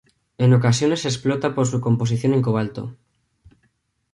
En ocasiones se explota por su composición en cobalto.